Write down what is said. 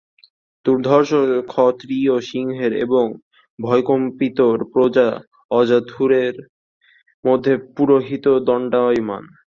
দুর্ধর্ষ ক্ষত্রিয়-সিংহের এবং ভয়কম্পিত প্রজা-অজাযূথের মধ্যে পুরোহিত দণ্ডায়মান।